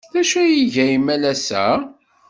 D acu ay iga imalas-a?